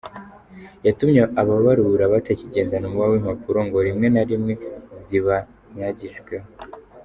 Yatumye ababarura batakigendana umuba w’impapuro ngo rimwe na rimwe zibanyagirirweho.